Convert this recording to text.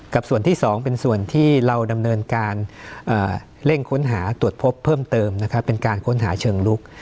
ส่วนที่๒เป็นส่วนที่เราดำเนินการเร่งค้นหาตรวจพบเพิ่มเติมนะครับเป็นการค้นหาเชิงลุก